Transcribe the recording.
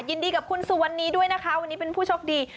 ยินดีกับคุณสุวรรณีด้วยนะคะวันนี้เป็นผู้โชคดี